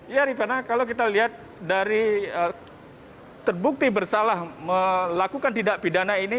ya rifana kalau kita lihat dari terbukti bersalah melakukan tidak pidana ini